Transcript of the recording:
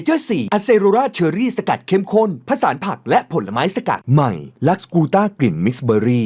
เอาอะไรมาหึงฉันกับแกไม่ได้เป็นอะไรกันโน้ย